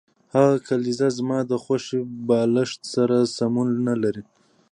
هغه کلیزه زما د خوښې بالښت سره سمون نلري